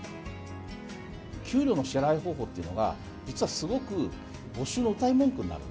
給料の支払い方法っていうのが、実はすごく、募集のうたい文句になる。